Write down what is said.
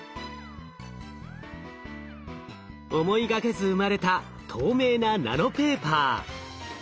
思いがけず生まれた透明なナノペーパー。